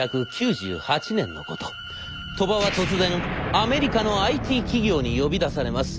鳥羽は突然アメリカのＩＴ企業に呼び出されます。